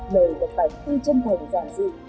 đời vật vạch tuy chân thành dàn dị